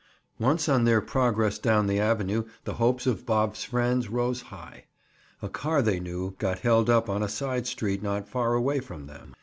Once on their progress down the avenue the hopes of Bob's friends rose high. A car they knew got held up on a side street not far away from them.